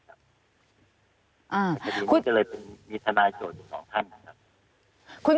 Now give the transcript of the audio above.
อ่าจะเลยเป็นธนายโจทย์ของท่านนะครับ